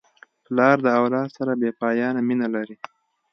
پلار د اولاد سره بېپایانه مینه لري.